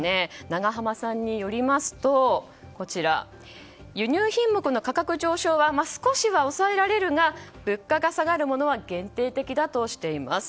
永濱さんによりますと輸入品目の価格上昇は少しは抑えられるが物価が下がるものは限定的だとしています。